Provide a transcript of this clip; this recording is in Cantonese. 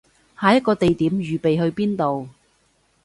下一個地點預備去邊度